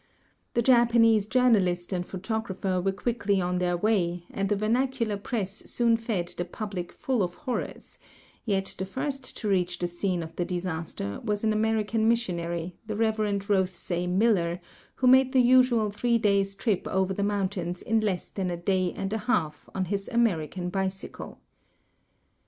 The Japanese journalist and photographer were quickly on their way, and the vernacular press soon fed the public full of horrors, }'et the first to reach the scene of the disaster was an American missionary, the Rev. Rothesay Miller, who made the usual three days' trip over the mountains in less than a day and a half on his Ameri can bicycle.